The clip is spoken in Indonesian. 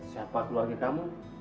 siapa keluarga kamu